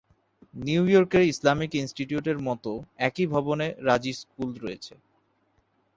নিউইয়র্কের ইসলামিক ইনস্টিটিউটের মতো একই ভবনে রাজি স্কুল রয়েছে।